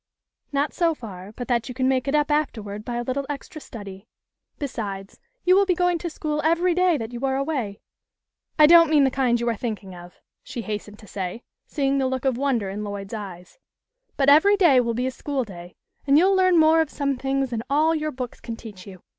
" Not so far but that you can make it up afterward by a little extra study. Besides, you will be going to school every day that you are away. I don't mean the kind you are thinking of," she hastened to say, THE END OF THE SUMMER. 2$ seeing the look of wonder in Lloyd's eyes. "But every day will be a school day and you'll learn more of some things than all your books can teach you.